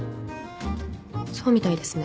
そうみたいですね。